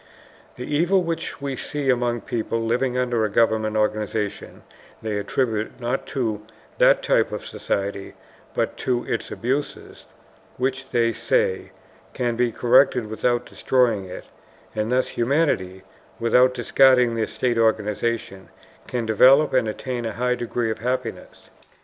The evil which we see among peoples living under a government organization they attribute not to that type of society, but to its abuses, which, they say, can be corrected without destroying it, and thus humanity, without discarding the state organization, can develop and attain a high degree of happiness.